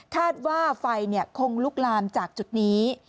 คาดว่าไฟคงลุกลามจากจุดนี้